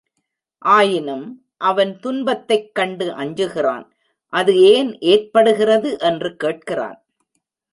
ஆயினும், அவன் துன்பத்தைக் கண்டு அஞ்சுகிறான் அது ஏன் ஏற்படுகிறது என்று கேட்கிறான்.